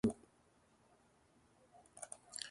そう思うと、そう感じる。